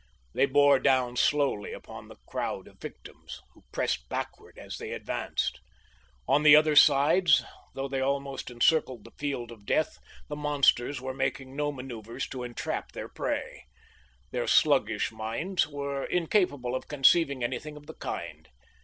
They bore down slowly upon the crowd of victims, who pressed backward as they advanced. On the other sides, though they almost encircled the field of death, the monsters were making no maneuvers to entrap their prey. Their sluggish minds were incapable of conceiving anything of the kind.